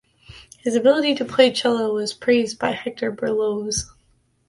His ability to play cello was praised by Hector Berlioz.